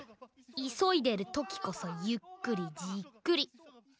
いそいでるときこそゆっくりじっくり。